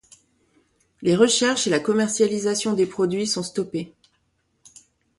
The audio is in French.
Les recherches et la commercialisation des produits sont stoppés.